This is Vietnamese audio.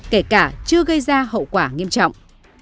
kể cả chưa gây ra hậu quả nghiêm trọng